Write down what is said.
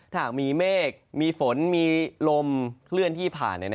ถ้าหากมีเมฆมีฝนมีลมเคลื่อนที่ผ่าน